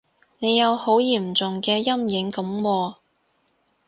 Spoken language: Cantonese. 你有好嚴重嘅陰影噉喎